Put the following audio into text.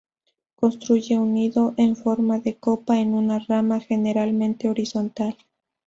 Construye un nido en forma de copa en una rama, generalmente horizontal.